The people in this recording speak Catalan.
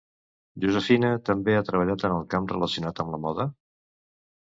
Josefina també ha treballat en el camp relacionat amb la moda?